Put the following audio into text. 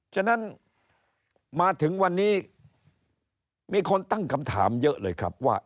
ฉะนั้นมาถึงวันนี้มีคนตั้งคำถามเยอะเลยครับว่า